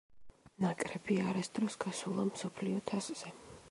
ნაკრები არასდროს გასულა მსოფლიო თასზე.